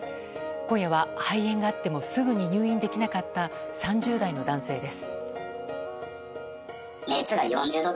今夜は肺炎があってもすぐに入院できなかった３０代の男性です。